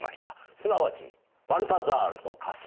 すなわちバルタザールとカスパール。